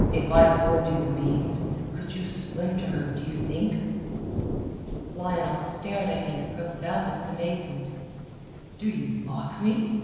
If I afford you the means, could you swim to her do you think?" Lionel stared at him in profoundest amazement. "Do you mock me?"